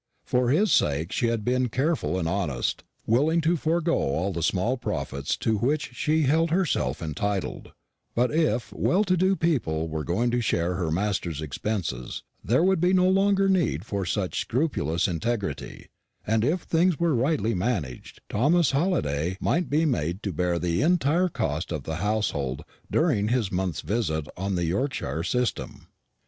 For his sake she had been careful and honest, willing to forego all the small profits to which she held herself entitled; but if well to do people were going to share her master's expenses, there would be no longer need for such scrupulous integrity; and if things were rightly managed, Thomas Halliday might be made to bear the entire cost of the household during his month's visit on the Yorkshire system.